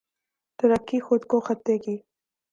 ترکی خود کو خطے کی